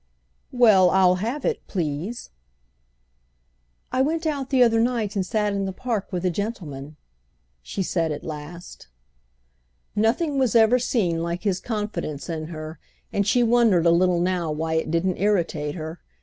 "Well, I'll have it, please." "I went out the other night and sat in the Park with a gentleman," she said at last. Nothing was ever seen like his confidence in her and she wondered a little now why it didn't irritate her.